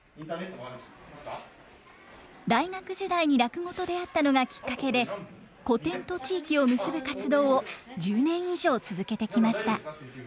大学時代に落語と出会ったのがきっかけで古典と地域を結ぶ活動を１０年以上続けてきました。